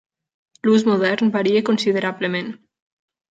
L"ús modern varia considerablement.